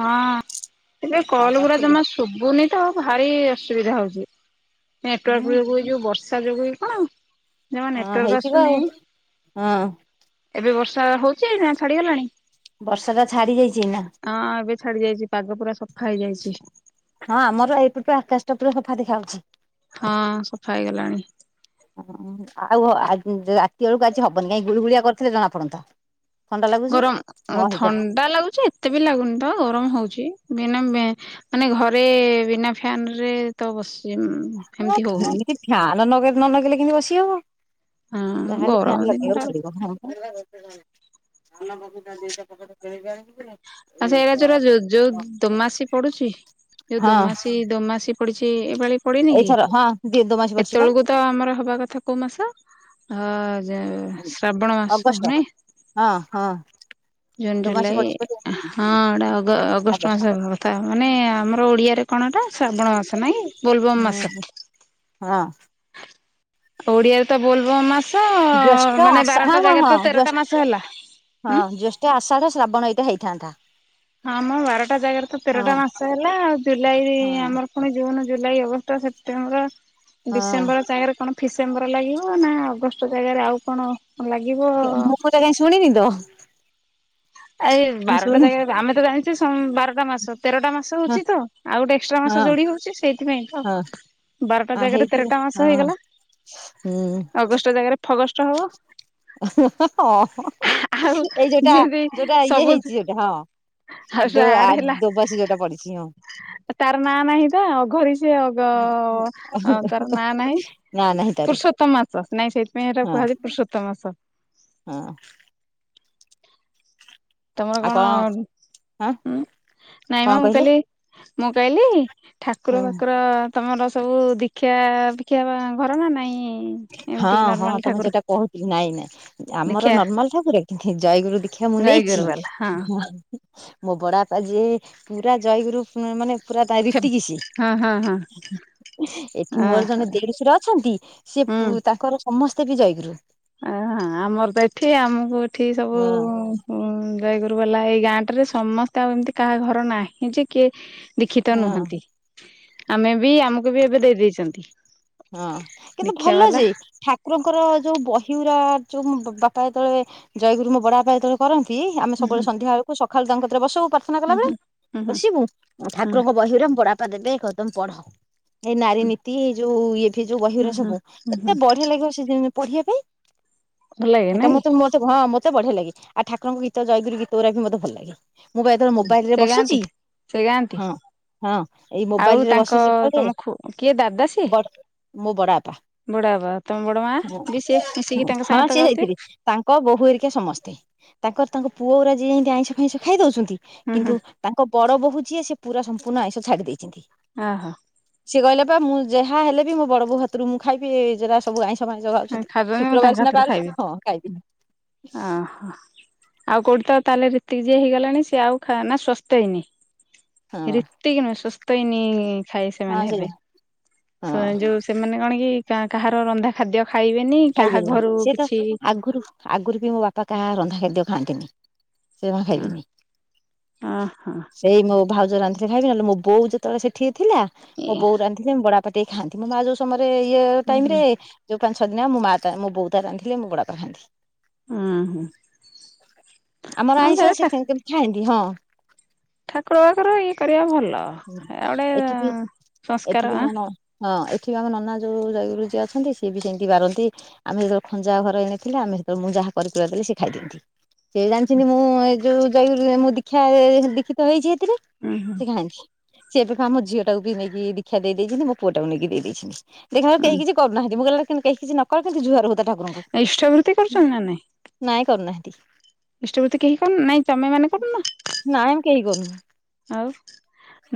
ହଁ। ଏ କଣ କଲ୍ ଗୁରା କରୁଥିଲି? ଜମା ଶୁ ଶୁଭୁନି ତ ଭାରି ଇ ଅସୁବିଧା ହଉଚି। ହୁଁ ନେଟୱାର୍କ ବି ଯୋଉ ବର୍ଷା ଯୋଗୁ କି କଣ ଜମା ହଁ ନେଟୱାର୍କ ହେଇଥିବ ଆସୁନି। ଆଉ। ହଁ। ଏବେ ବର୍ଷା ହଉଚି ନା ଛାଡିଗଲାଣି? ବର୍ଷା ଟା ଛାଡି ଯାଇଚି ଏଇନା। ଅଁ ଏବେ ଛାଡି ଯାଇଚି ପାଗ ପୁରା ସଫା ହେଇଯାଇଚି। ହଁ ଆମର ଏଇପଟ ଆକାଶଟା ପୁରା ସଫା ଦେଖା ଯାଉଚି। ହଁ ସଫା ହେଇଗଲାଣି। ଆଉ ରାତି ବେଳକୁ ଆଜି ହବନି। ଯାଇଁ ଗୁଳୁଗୁଳିଆ କରିଥିଲେ ଜଣା ପଡନ୍ତା। ଥଣ୍ଡା ଲାଗୁଛି। ଗରମ୍ ନ ହେଇପାରେ ଥଣ୍ଡା ଲାଗୁଚି ଏତେ ବି ଲାଗୁନି ତ ଗରମ୍ ହଉଚି। [unintelligible] ମାନେ ଘରେ ବିନା ଫ୍ୟାନ ରେ ତ ବସି ଏମିତି ହଉନି। ହେମିତି ଫ୍ୟାନ୍ ନ ନଗେଇଲେ କେମତି ବସି ହବ। ହଁ ଯାହେଲେ ଗରମ ଫ୍ୟାନ ଦିନଟା ଲଗେଇବାକୁ ପଡିବ। [unintelligible] ଆଉ ସେରା ଯଉରା ଯୋଉ ଯୋଉ ଦୋମାସି ପଡୁଚି ଯୋଉ ହଁ ଦୋମାସି ଦୋମାସି ପଡିଛି ଏ ପାଳି ପଡିନି କି? ଏଇଥର ହଁ। ଦି ଦୋମାସି ପଡିଛି ପା ଏତେବେଳକୁ ତ ଆମର ହବା କଥା କୋଉ ମାସ? ଅ ଯେ ଶ୍ରାବଣ ମାସ ଅଗଷ୍ଟ ନାଇଁ? ହଁ ହଁ। ଜୁନ୍, ଦୋମାସି ଜୁଲାଇ ପଡିଛି ବୋଲି ହଁ ଏଇଟା ଅଗ ଅଗଷ୍ଟ ମାସରେ ତା ମାନେ ଆମର ଓଡ଼ିଆରେ କଣ ଏଇଟା ଶ୍ରାବଣ ମାସ ନାଇଁ କି? ହୁଁ ହୁଁ ହଁ। ଓଡିଆରେ ତ ବୋଲବମ୍ ମାସ। ଅ ଜ୍ୟେଷ୍ଠ ମାନେ ଆଷା ହଁ ବାରଟା ହଁ ଜାଗାରେ ହଁ ତ ତେରଟା ଜ୍ୟେଷ୍ଠ ମାସ ହେଲା। ହଁ। ହୁଁ ଜ୍ୟେଷ୍ଠ, ଆଷାଢ, ଶ୍ରାବଣ ଏଇଟା ହେଇଥାନ୍ତା। ଆମ ବାରଟା ଜାଗାରେ ତ ହଁ ତେରଟା ମାସ ହେଲା ଆଉ, ଜୁଲାଇ ହଁ ଆମର ପୁଣି June, July, August, September, December ହଁ ଜାଗା ରେ କଣ ଫିସେମ୍ବର ଲାଗିବ ନା ଅଗଷ୍ଟ ଜାଗାରେ ଆଉ କଣ ଲାଗିବ? ଏଟା କାଇଁ ଶୁଣିନି ତ। ଆ ଏଇ ମୁଁ ବାରଟା ଶୁଣିନି ଜାଗାରେ ଆମେ ତ ଜାଣିଛେ ସମ୍ ବାରଟା ଟା ମାସ ତେରଟା ମାସ ହଁ ହଉଚି ତ ଆଉ ଗୋଟେ ଏକ୍ସଟ୍ରା ହଁ ମାସ ଯୋଡି ହଉଚି ସେଇଥିପାଇଁ ତ ହଁ ବାରଟା ଆ ଜାଗାରେ ହେଇଥିବ ତେରଟା ମାସ ହଁ ହେଇଗଲା। ହୁଁ ଅଗଷ୍ଟ ଜାଗାରେ ଫଗଷ୍ଟ ହବ। ହଁ ହଁ। ଆଉ ଏଇ ଯୋଉଟା ଯେମିତି ଯୋଉଟା ଇଏ ସବୁ ହେଇଚି ଯୋଉଟା ହଁ। ଦୋ ଆ ଆଡ ହେଲା ଦୋ ମାସି ଯୋଉଟା ପଡିଚି ହଁ। ତାର ନାଁ ନାହିଁ ତ ଅଘରି ସେ ଅଗ ତାର ନାଁ ନାହିଁ। ନା ନାହିଁ ତାରି ପୁରୁଷୋ ତମ ମାସ। ନାଇଁ ସେଥିପାଇଁ ଏଇଟା ହଁ କୁହାଯାଇଚି ପୁରୁଷୋତ୍ତମ ମାସ। ହଁ। ତମର କଣ ହଁ ଉଁ ନାଇଁ କଣ ମ ମୁଁ କହିଲେ କହଲି ମୁଁ କହିଲି ଠାକୁର ହୁଁ ଫାକୁର ତମର ସବୁ ଦୀକ୍ଷା ଫିକ୍ଷା ଘର ନା ନାଇଁ ଏମିତି ହଁ ହଁ ନର୍ମାଲ ତମେ ଠାକୁର ସେଟା କହୁ ନାଇଁ ନାଇଁ। ଆମର ଦୀକ୍ଷା ନର୍ମାଲ ଠାକୁରେ ଖି ଜୟଗୁରୁ ଦୀକ୍ଷା ମୁଁ ନେଇଛି। ଜୟଗୁରୁ ବାଲା ହଁ ମୋ ବଡପା ଯିଏ ପୁରା ଜୟଗୁରୁ ମାନେ ପୁରା ଡାଇରେକଟ ଗିସି ହଁ ହଁ ହଁ ଏଠି ଅ ମୋର ଜଣେ ଦେଢଶୁର ଅଛନ୍ତି ଯେ ପୁ ତାଙ୍କର ସମସ୍ତେ ବି ଜୟଗୁରୁ। ଆ ହା ଆମର ତ ଏଠି ଆମକୁ ଏଠି ସବୁ ହଁ ହୁଁ ଜୟଗୁରୁ ବାଲା ଏଇ ଗାଁ ଟାରେ ସମସ୍ତେ ଆଉ ଏମିତି କାହା ଘର ନାହିଁ ଯେ କିଏ ଦୀଖିତ ହଁ ନୁହନ୍ତି ଆମେ ବି ଆମକୁ ବି ଏବେ ଦେଇ ଦେଇଛନ୍ତି। ହଁ କିନ୍ତୁ ଭଲ ଯେ ଠା କୁରଙ୍କର ଯୋଉ ବହିଉରା ଯୋଉ ବାପା ଯେତେବେଳେ ଜୟଗୁରୁ ମୋ ବଡ ବାପା ଯେତେବେଳେ କରନ୍ତି ଆମେ ହୁଁ ହୁଁ ସବୁବେଳେ ସନ୍ଧ୍ୟା ବେଳକୁ ସକାଳୁ ତାଙ୍କକତିରେ ବସଉ ପା ମନା ହୁଁ କଲା ବଳେ ହୁଁ ହୁଁ ହୁଁ ବସିବୁ ହୁଁ ଠାକୁରଙ୍କ ବହିର ପଢାପା ଦି କଦମ ପଢ। ଏଇ ନାରୀ ନୀତି ଏଇ ଯୋଉ ଏବେ ଯୋଉ ବହି ହୁଁ ଉରା ହୁଁ ସବୁ ହୁଁ ହୁଁ ଏତେ ବଢିଆ ଲାଗିବ ସେ ଯେମିତି ପଢିବା ପାଇଁ ଭଲ ଲାଗେ ଏଟା ନାଇଁ ମତେ ମ ମତେ ହଁ ମତେ ବଢିଆ ଲାଗେ ଆ ଠାକୁରଙ୍କ ଗୀତ ଜୟଗୁରୁ ଗୀତ ଗୁରା ବି ମୋତେ ଭଲ ଲାଗେ। ମୁଁ ବା ଏଥର ମୋବାଇଲରେ ସେ ଗାଆନ୍ତି? ବସୁଛି। ସେ ଗାଆନ୍ତି ହଁ ହଁ ଏଇ ଆଉ ମୋବାଇଲରେ ତାଙ୍କ ବସୁଛି ଘରେ। ତମ ଖୁ କିଏ ଦା ବର ମୁଁ ବଡ ବାପା ବଡ ବାପା ତମେ ବଡ ମା ବି ସେ ମିଶିକି ତାଙ୍କ ହଁ ସାଙ୍ଗେ ତ ସିଏ ଯାଇଥିଲେ ଗାଉଥିବେ? ତାଙ୍କ ବୋହୂ ଏରିକା ସମସ୍ତେ ତାଙ୍କର ତାଙ୍କ ପୁଅ ଉରା ଯିଏ ଯେମିତି ଏମତି ଆଇଁଷ ଫାଇଁଷ ଖାଇ ଦଉଛନ୍ତି ହୁଁ ହୁଁ କିନ୍ତୁ ତାଙ୍କ ବଡ ବୋହୂ ଯିଏ ସେ ପୁରା ସମ୍ପୂର୍ଣ୍ଣ ଆଇଁଷ ଛାଡି ଦେଇଛନ୍ତି। ହଁ ହଁ। ସିଏ କହିଲେ ପା ମୁଁ ଯାହା ହେଲେ ବି ମୋ ବଡ ବୋଉ ହାତରୁ ମୁଁ ଖାଇବି ଯରା ସବୁ ଆଇ ସ ଫାଇସ ବାରୁଛନ୍ତି ଖାଉଛନ୍ତି ମୁଁ ତାଙ୍କ ଶୁକ୍ରବାର ସିନା ହାତରୁ ବାରୁ ହଁ ଖାଇବି। ଓ ହୋ! ଆଉ କୋଉଠି ତ ତାହେଲେ ଯେତିକି ଯିଏ ହେଇଗଲେଣି ସିଏ ଆଉ ଖା ନା ସୁସ୍ଥ ହେଇନି ହଁ ରେ ସେତିକ ନୁଁହ ସୁସ୍ଥ ହେଇନି ଖାଇ ହଁ ସେମାନେ ସେ ହେବେ। ହଁ ସ ଯୋଉ ସେମାନେ କଣ କି କା କାହାର ରନ୍ଧା ଖାଦ୍ୟ ଖାଇବେନି କାହା ଖାଇବେନି ଘରୁ ସିଏ ତ କିଛି ଆଗରୁ ଆଗରୁ ବି ମୋ ବାପା କାହା ରନ୍ଧା ଖାଦ୍ୟ ଖାଆନ୍ତିନି। ସେ ଜମା ଅ ଖାଇବେନି। ଓହୋ ଏଇ ମୋ ଭାଉଜ ରାନ୍ଧିଥିଲେ ଖାଇବେ ନହେଲେ ମୋ ବୋଉ ଯେତେବେଳେ ସେଠି ଥିଲା ଏ ମୋ ବୋଉ ରାନ୍ଧିଲେ ମୋ ବଡବାପା ଟିକେ ଖାଆନ୍ତି। ମୋ ମା ଯୋଉ ସମୟରେ ଇଏ ହୁଁ ଟାଇମ ହୁଁ ରେ ଯୋଉ ପାଞ୍ଚ ଛଅ ଦିନ ଆ ମୋ ମା ମୋ ବୋଉତା ରାନ୍ଧିଲେ ମୋ ବଡବାପା ଖାଆନ୍ତି। ହୁଁ ହୁଁ ଆମର ହଁ ଆଇଁଷ ସେଟା ଆସିଥାଏ କିନ୍ତୁ କେବେ ଖାଏନି ହଁ। ଠାକୁର ବାକୁର ଇଏ କରିବା ଭଲ। ଏ ଗୋଟେ ଏଠିବି ସଂସ୍କାର ଏଠିବି ଆଁ ଆମନ ହଁ ଏଠି ଆମ ନନା ଯୋଉ ଜୟଗୁରୁ ଯିଏ ଅଛନ୍ତି ସିଏ ବି ସେମିତି ବାରନ୍ତି। ଆମେ ଯେତେବେଳେ ଖଞ୍ଜା ଘର ହେଇନଥିଲା ଆମେ ସେତେବେଳେ ମୁଁ ଯାହା କାରିକୁରା ଦେଲେ ସେ ଖାଇ ଦଉଥିଲେ। ସେ ଜାଣିଛନ୍ତି ମୁଁ ଏ ଯୋଉ ଜୟଗୁରୁ ମୁଁ ଦୀକ୍ଷା ଦୀକ୍ଷିତ ହେଇଛି ହେଥିରେ ଉଁ ହୁଁ ସେ ଖାଆନ୍ତି ସିଏ ଏବେ ପା ମୋ ଝିଅ ଟାକୁ ବି ନେଇକି ଦୀକ୍ଷା ଦେଇ ଦେଇଛନ୍ତି ମୋ ପୁଅ ଟାକୁ ନେଇକି ଦେଇ ଦେଇଛନ୍ତି। ଦେଖିଲାବେଳକୁ ହୁଁ କେହି କିଛି କରୁନାହାନ୍ତି ମୁଁ କହିଲି କେହି କିଛି ନ କରୁଛନ୍ତି ଜୁଆର ହୋଉଥା ଠାକୁରଙ୍କୁ। ଇଷ୍ଟାବୃତ୍ତି କରୁଛନ୍ତି ନା ନାଇଁ? ନାଇଁ କରୁନାହାନ୍ତି। ଇଷ୍ଟାବୃତ୍ତି କେହି କରୁ ନାଇଁ ତମେ ମାନ କରୁନ କି? ନାଇଁ ଆମେ କେହି କରୁନୁ। ଆଉ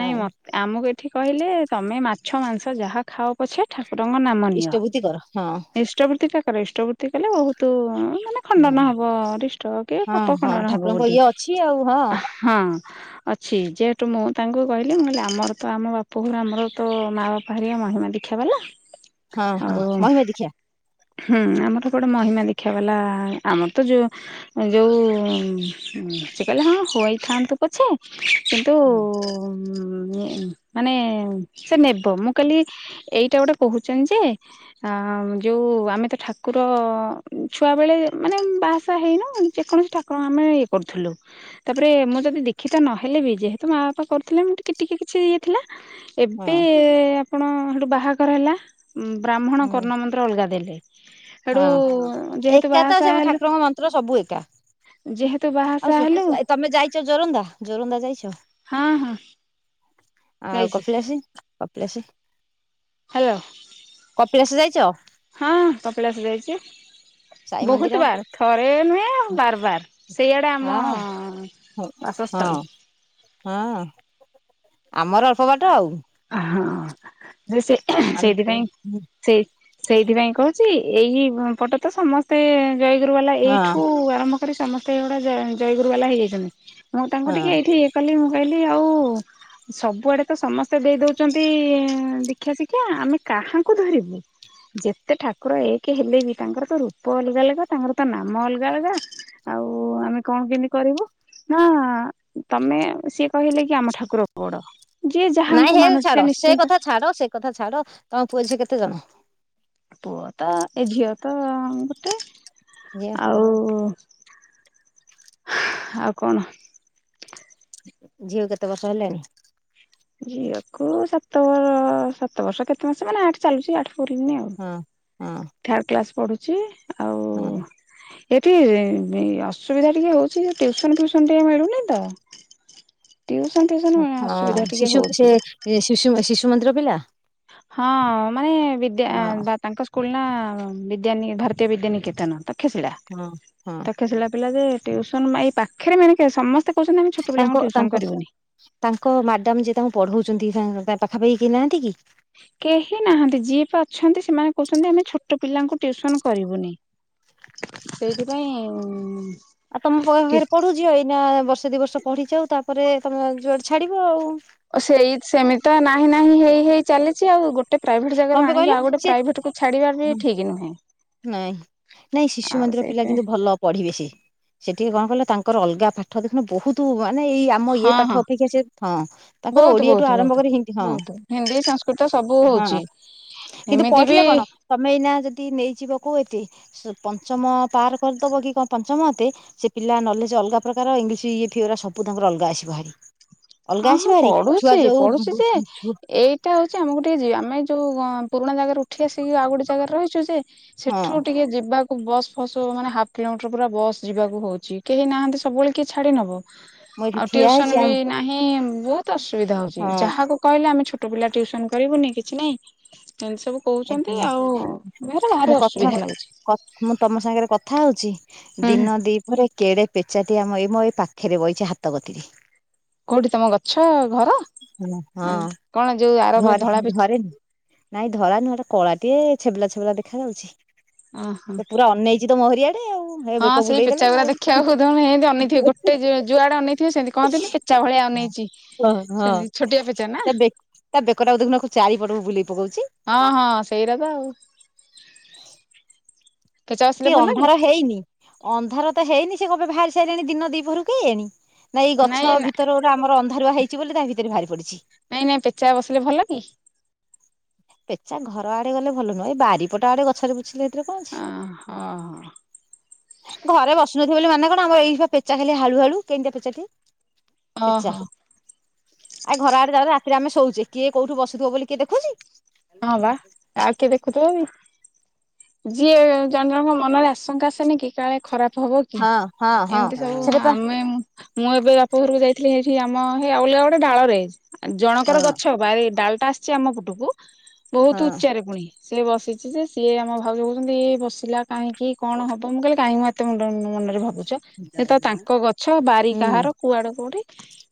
ନାଇଁ ମତେ ଆମକୁ ଏଠି କହିଲେ ତମେ ମାଛ ମାଂସ ଯାହା ଖାଅ ପଛେ ଠାକୁରଙ୍କ ନାମ ନିଅ। ଇଷ୍ଟଭୂତି କର ହଁ ଇସ୍ ଇଷ୍ଟଭୃତିଟା କର ଇଷ୍ଟଭୃତି କଲେ ବହୁତ ମାନେ ହଁ। ଖଣ୍ଡନ ହବ ରିଷ୍ଟ କି ହଁ ପାପ ହଁ ଖଣ୍ଡନ ହବ ଠାକୁରଙ୍କ ଗୋଟି ଇଏ ଅଛି ଆଉ ହଁ। ଅଛି ଯେହେତୁ ମୁଁ ତାଙ୍କୁ କହିଲି ମୁଁ କହିଲି ଆମର ତ ଆମ ବାପ ଘର ଆମର ତ ମାଆ ବାପା ହେରିଆ ମହିମା ଦିକ୍ଷା ବାଲା। ହଁ ହଁ ଆଉ ମହିମା ଦୀକ୍ଷା ହୁଁ ଆମର ତ ସେପଟେ ମହିମା ଦିକ୍ଷା ବାଲା ଆମର ତ ଯୋଉ ଯୋଉ ସେ କହିଲେ ହଁ ହୋଇଥାଆନ୍ତୁ ପଛେ। କିନ୍ତୁ ହଁ ତାକୁ ନେ ମାନେ ସେ ନେବ। ମୁଁ କହିଲି ଏଇଟା ଗୋଟେ କହୁଚନ୍ତି ଯେ ଆ ଯୋଉ ଆମେ ତ ଠାକୁର ଛୁଆ ବେଳେ ମାନେ ବାହା ସାହା ହେଇନୁ। ଯେକୌଣସି ଠା ତାକୁ ଆମେ ଇଏ କରୁଥିଲୁ। ତାପରେ ମୁଁ ଯଦି ଦି ଶିକ୍ଷିତା ନହେଲେ ବି ଯେହେତୁ ମା ବାପା କରୁଥିଲେ। ମୁଁ ଟିକେ ଟିକେ କିଛି ଇଏ ଥିଲା। ହଁ ଏବେ ଆପଣ ହେଠୁ ବାହାଘର ହେଲା। ବ୍ରାହ୍ମଣ ହୁଁ କର୍ଣ୍ଣ ମନ୍ତ୍ର ଅଲଗା ଦେଲେ। ହେଠୁ ହଁ ଯେହେତୁ ଏକା ତ ସେ ବାହାଶାହା ହେଲୁ ଠାକୁରଙ୍କ ମନ୍ତ୍ର ସବୁ ଏକା। ଯେହେତୁ ବାହା ଆଉ ସାହା ହେଲୁ ତମେ ଯାଇଚ ଜୋରନ୍ଦା ଜୋରନ୍ଦା ଯାଇଛ। ହଁ ହଁ ଆଉ ଯାଇଛି କପିଳାଶେ କପିଳାଶେ ହ୍ୟାଲୋ କପିଳାସ ଯାଇଚ। ହଁ କପିଳାସ ଯାଇଚି ସାଇ ମନ୍ଦିର ବହୁତ ବାର ଥରେ ନୁହେଁ ଆଉ ବାରବାର ସେଇଆଡ଼େ ଆମ ହଁ ହଁ ବାସସ୍ଥଳୀ। ହଁ ଆମର ଅଳ୍ପ ବାଟ ଆଉ। ହଁ ଯେ ସେ ଆମେ ସେଇଥିପାଇଁ ସେଇ ସେଇଥିପାଇଁ କହୁଚି ଏହି ପଟ ତ ସମସ୍ତେ ଜୟଗୁରୁବାଲା ହଁ ଏଇଠୁ ଆରମ୍ଭ କରି ସମସ୍ତେ ଏଇଗୁଡା ଜୟ ଜୟଗୁରୁବାଲା ହେଇଯାଇଛନ୍ତି। ମୁଁ ତାଙ୍କୁ ଟିକେ ହଁ ଏଇଠି ଇଏ କଲି ମୁଁ କହିଲି ଆଉ ସବୁଆଡ଼େ ତ ସମସ୍ତେ ଦେଇ ଦଉଚନ୍ତି ଦୀକ୍ଷା ଶିକ୍ଷା ଆମେ କାହାଙ୍କୁ ଧରିବୁ। ଯେତେ ଠାକୁର ଏକେ ହେଲେ ବି ତାଙ୍କର ତ ରୂପ ଅଲଗା ଅଲଗା ତାଙ୍କର ତ ନାମ ଅଲଗା ଅଲଗା। ଆଉ ଆମେ କଣ କେମିତି କରିବୁ। ହଁ ତମେ ସିଏ କହିଲେ କି ଆମ ଠାକୁର ବଡ଼। ନାଇଁ ହେ ଛାଡ଼ ସେ କଥା ଛାଡ଼ ସେ କଥା ଛାଡ଼ ତମ ପୁଅ ଝିଅ କେତେ ଜଣ। ପୁଅ ତ ଏ ଝିଅ ତ ଗୋଟେ ଝିଅ ଆଉ। ଆଉ କଣ? ଝିଅ କେତେ ବର୍ଷ ହେଲାଣି। ଝିଅକୁ ସାତ ବ ସାତ ବର୍ଷ କେତେ ମାସ ମାନେ ଆଠ ଚାଲୁଚି ଆଠେ। କରିନି ଆଉ ହଁ ଥାର୍ଡ କ୍ଲାସ ପଢ଼ୁଛି। ହେଇ ଏଠି ଅସୁବିଧା ଟିକେ ହଉଛି ଟିୟୁସନ ଫ୍ୟୁସନ ଟିକେ ମିଳୁନି ତ। ଟିୟୁସନ ଫିୟୁସନ ଆଁ ଅସୁବିଧା ଟିକେ ହଉଛି ଏ ଶିଶୁ ଶିଶୁ ମନ୍ଦିର ପିଲା। ହଁ ମାନେ ବିଦ୍ୟା ହଁ ବା ତାଙ୍କ ସ୍କୁଲ ନା ବିଦ୍ୟା ନି ଭାରତୀୟ ବିଦ୍ୟା ନିକେତନ ତ। ତକ୍ଷଶିଳା ହଁ ହଁ ତକ୍ଷଶିଳା ପିଲା ଯେ ଟିୟୁସନ ମା ପାଖରେ ମିଳି ଯିବା ସମସ୍ତେ କହୁଛନ୍ତି। ଆମେ ଛୁ ତାଙ୍କ ତାଙ୍କ ତାଙ୍କ ମ୍ୟାଡ଼ାମ୍ ଯିଏ ତାଙ୍କୁ ପଢଉଛନ୍ତି। ତାଙ୍କ ତା ପାଖାପାଖି କେହି ନାହାନ୍ତି କି? କେହି ନାହାନ୍ତି ଯିଏ ପା ଅଛନ୍ତି ସେମାନେ କହୁଛନ୍ତି ଆମେ ଛୋଟ ପିଲାଙ୍କୁ ଟିଉସନ କରିବୁନି। ସେଇଥିପାଇଁ ଆଉ ତମଖରେ ପଢୁଛ ଏଇନା ବର୍ଷେ ଦି ବର୍ଷ ପଢିଚ ଆଉ ତାପରେ ତମେ ଯୁଆଡେ ଛାଡିବ ଆଉ। ଓ ସେଇ ସେମିତି ତ ନାହିଁ ନାହିଁ ହେଇ ହେଇ ଚାଲିଛି ଆଉ ଗୋଟେ ଗୋଟ ପ୍ରାଇଭେଟ କଣ ଜାଗାରୁ ପାଇଁ କହିଲ ଆଣିକି ଆଉ ଗୋଟ ସିଏ ପ୍ରାଇଭେଟକୁ ଛାଡାର ବି ଠିକ ନୁହେଁ। ନାଇଁ ନାଇଁ ଶିଶୁ ଆଉ ମନ୍ଦିର ପିଲା ସେଇଥିପାଇଁ କିନ୍ତୁ ଭଲ ପଢିବେଶି ସେ ଟିକେ କଣ କଲେ ତାଙ୍କର ଅଲଗା ପାଠ ଦେଖୁିଲୁ ବହୁତ ମାନେ ଏଇ ଆମ ହଁ ଇ ହଁ ପାଠ ଅପେକ୍ଷା ସ ହଁ ତାଙ୍କର ବହୁତ ଓଡିଆଠୁ ଆରମ୍ଭ କରି ହି ହଁ। ତ ସବୁ ହଁ ହଉଛି ଏମିତି ବି ସମୟନା ଯଦି ନେଇଯିବାକୁ ଏତେ ପଞ୍ଚମ ପାର କରିଦବ କି କଣ ପଞ୍ଚମ ଏତେ ସେ ପିଲା ନଲେଜ ଅଲଗା ପ୍ରକାର ଇଂଲିଶ ଇଏ ସବୁ ତାଙ୍କର ଅଲଗା ଆସିବ ଭାରି ଅଲଗା ହଁ ହଁ ଆସିବ ଭାରି ଛୁଆ ପଢୁଛି ଯୋଉ ପଢୁଛି ଯେ ହଁ ଏଇ ସେ ହଉଛି ଆମକୁ ଟିକେ ଯିବା ଆମେ ଯୋଉ ପୁରୁଣା ଜାଗାରେ ଉଠି ଆସିକି ଆଉ ଗୋଟେ ଜାଗାରେ ରହିଛୁ ଯେ ସେଠୁ ଟିକେ ଯିବାକୁ ବସ୍ ଫସ୍ ମାନେ ହାଫ୍ କିଲୋମିଟର ପୁରା ବସ୍ ଯିବାକୁ ହଉଛି କେହି ନାହାନ୍ତି ସବୁବେଳେ କିଏ ଛାଡି ନବ। ମୁଁ ଏଠି ଆଉ ଠିଆ ଟିଉସନ ହେଇଛି ବି ଆଉ ନାହିଁ ବହୁତ ଅସୁବିଧା ହଉଛି ହଁ ଯାହାକୁ କହିଲେ ଆମେ ଛୋଟ ପିଲା ଟିଉସନ କରିବୁନି କିଛି ନାଇଁ ଏମିତି ସବୁ କହୁଛନ୍ତି ଏଠି ଆଉ ଦେହହାର ମୁଁ ଭାରି କଥା ଅସୁବିଧା ଲାଗୁଛି। ମୁଁ ତମ ସାଙ୍ଗରେ କଥା ହଉଛି ହୁଁ ହୁଁ ଦିନ ଦିପ ମୋ କେଡେ ପେଚାଟି ଆମ ଏଇ ମ ଏଇ ପାଖରେ ବହିଛି ହାତ କତି କଉଠି ତମ ଗଛ ଘର ହଁ ମାନେ କଣ ଯୋଉ ଆର ଘରେ ଧଳା ପେ ଘରେ ନାଇଁ ଧଳା ନୁହଁ ଏଟା କଳା ଟେ ଛେବଲା ଛେବଲା ଦେଖା ଯାଉଛି ଓହୋ ସେ ପୁରା ଅନେଇ [unintelligible] ତ ମରିଆଡ଼େ ଆଉ। ହେ ହଁ ବେକ ସେଇ ବୁଲେଇଦେଲା ପେଚାାଗୁା ଆଉ ଦେଖିବାକୁୋହୁ ସେମତି ଅନଥିବ ଗୋଟେ ଯୁଆଡେଇଥିବେ ସେମିତି କହନ୍ତିନ ଚା ଭଳିଆ ଅନେଇଚି ହଁ ହଁ ସେମିତି ଛୋଟିଆ ପେଚା ନା। ତା ବେ ତା ବେକଟାକୁ ଦେଖୁନା ଚାରିପଟକୁ ବୁଲେଇ ପକଉଛି। ହଁ ହଁ ସେଇଟା ତ ଆଉ। ପେଚା କି ବସିଲେ ଭଲ ଅନ୍ଧାର ହେଇନି ଅନ୍ଧାର ତ ହେଇନି ସେ କଣ ପାଇଁ ବାହାରି ସାରିଲେଣି ଦିନ ଦିପହରୁ କେଜାଣି। ନାଇଁ ଏଇ ଗଛ ଭିତରେ ଗୋଟେ ଆମର ଅନ୍ଧାରୁଆ ହେଇଛି ବୋଲି ତା ଭିତରେ ଭାରି ପଡିଛି। ନାଇଁ ନାଇଁ ପେଚା ବସିଲେ ଭଲ କି? ପେଚା ଘର ଆଡେ ଗଲେ ଭଲ ନୁହେଁ ଏଇ ବାରିପଟ ଆଡେ ଗଛରେ ବସିଲେ ଏଥିରେ କଣ ଅଛି। ଓ ହୋ ହୋ। ଘରେ ବସୁନଥିଲିବ ବୋଲି ମାନେ କଣ ଆମର ଏଇ ପେଚା ଖା ହଳୁ ହାଳୁ କେମିଆ ପେଚାଟି। ପେଚା ଓହୋ ଆ ଘର ଆଡେ ଯ ରାତିରେ ଆମେ ଶୋଉଛେ କିଏ କୋଉଠୁ ବସୁଥିବ ବୋଲି କିଏ ଦେଖୁଛି। ହଁ ବା ଆଉ କିଏ ଦେଖୁଥିବ ଯିଏ ଜଣ ଜଣଙ୍କ ମନରେ ଆସ ଆଶଙ୍କା ସେନ କି କାଳେ ଖରାପ ହବ କି ହଁ ହଁ ହଁ ଏମିତି ସବୁ ସେଟା ପା ଆମେ ମୁଁ ଏବେ ବାପା ଘରକୁ ଯାଇଥିଲି ହେଇଠି ଆମ ହେଇ ଆଉଳିଆ ଗୋଟେ ଡାଳରେ ହଁ ଜଣଙ୍କର ଗଛ ବାର ଡାଲଟା ଆସିଚଛି ଆମ ପୁଟକୁ ବହୁତ ହଁ ଉଚ୍ଚାରେ ପୁଣି ସିଏ ବସିଛି ଯେ ସିଏ ଆମ ଭାଉ କହୁଛନ୍ତି ଇଏ ବସିଲାହିଁକି କଣବ ମୁଁହିଲି [unintelligible] ଏତେଣ୍ଡ ମନରେ ଭାବୁଛ ଯେ ତ ତାଙ୍କ ଗଛ ବାରି ହୁଁ କାହାର କୁଆଡେ କୋଉଠି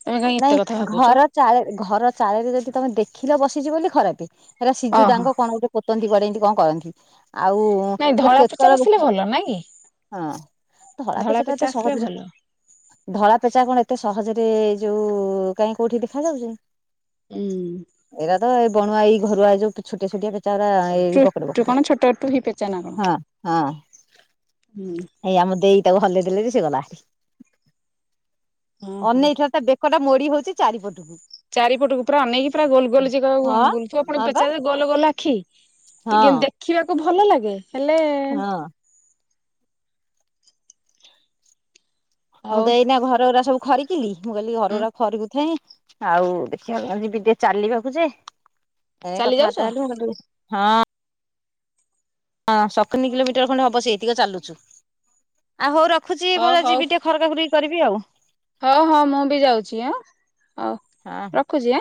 ତମେ କାହିଁ ନାଇଁ ଏତେ କଥା ଭାବୁଛ ଘର ଚା ଘର ଚାଳେରେ ଯଦି ତମେ ଦେଖିଲ ବସିଚ ବୋଲି ଖରାପ। ହେଲା ସିଜୁ ଓହୋ ଡାଙ୍ଗ କଣ ଗୋଟେ ପୋତନ୍ତି କୁଆଡେମି କଣ କରନ୍ତି? ଆଉ ନାଇଁ ସେ ଧଳା ପେଚା କେତେବେଳେ ବସିଲେ ଭଲ ନାଇଁ କି ହଁ ଧରା ଧଳା ପେଚା ଟା ଏତେ ଆସିଲେ ସହଜରେ ଭଲ। ଧଳା ପେଚା କଣ ଏତେ ସହଜରେ ଯୋଉ କାହିଁ କୋଉଠି ଦେଖା ଯାଉଛି। ହୁଁ। ଏଇଟ ତ ଏଇ ବଣୁଆ ଏଇ ଘରୁଆ ଯୋଉ ଛୋଟିଆ ଛୋଟିଆ ପେଚା ଗୁଡ଼ା ଏଇ ପକଡ଼ି ଟୁ କଣ ପକଡ଼ି ଛୋଟ ଟୁହି ପେଚା ନା କଣ? ହଁ ହଁ। ହୁଁ। ଏଇ ଆମ ଦେଇ ତାକୁ ଭଲ ଦେଲେ ବି ସେ ଗଲା ହଁ ହଁ। ଅନେଇଥା ତା ବେକ୍ ପଟା ମୋଡି ହଉଛି ଚାରିପଟକୁ। ଚାରିପଟକୁ ପୁରା ଅନେଇକି ପୁରା ଗୋଲ ଗୋଲ ଯ ହଁ ଗୁଲୁ ଆପଣ ହଁ ବା ପେଚାର ଗୋଲ ଗୋଲ ଆଖି। ଟିକେ ହଁ। ଦେଖିବାକୁ ଭଲ ଲାଗେ ହେଲେ ହଁ ମୁଁ ହଉ ତ ଏଇନା ଘର ଗୁଡା ସବୁ ଖରିିକି ମୁଁ କହିଲି ଘର ଗୁଡା ଖରିକୁଥାଏଁ। ଆଉ ଦେଖିବା ଯିବି ଟିକେ ଚାଲିବାକୁ ଯେ ଏ ଚାଲି ଯାଉଛ? କଥାବାର୍ତ୍ତା ହେଲୁ ହଁ। ହଁ ସଖିନି କିଲୋମିଟର ଖଣ୍ଡେ ହବ ସେଇତିକ ଚାଲୁଚୁ ଆଉ ହଉ ରଖୁଛି ହଁ ମୋର ଆ ହଉ। ଯିବି ଟିକେ ଖରକା ଖରିକି କରିବି ଆଉ। ହଁ ହଁ ମୁଁ ବି ଯାଉଛି ଆଁ ହଉ ହଁ ରଖୁଛି ଆ।